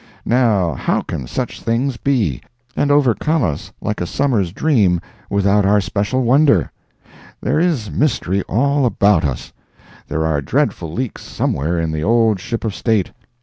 Now, how can such things be, and overcome us like a summer's dream, without our special wonder? There is mystery all about us. There are dreadful leaks somewhere in the old Ship of State.